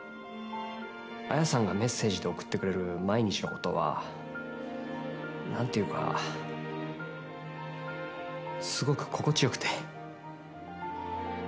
アヤさんがメッセージで送ってくれる毎日のことは何というか、すごく心地よくて。